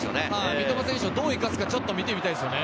三笘選手をどう生かすか見てみたいですね。